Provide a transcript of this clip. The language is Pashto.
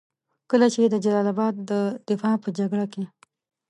کله چې د جلال اباد د دفاع په جګړه کې.